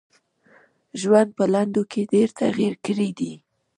ژوند په لنډو کي ډېر تغیر کړی دی .